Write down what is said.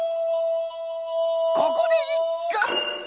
ここでいっく。